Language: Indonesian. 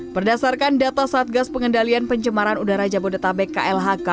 berdasarkan data satgas pengendalian pencemaran udara jabodetabek klhk